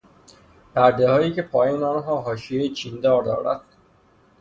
پردههایی که پایین آنها حاشیهی چیندار دارد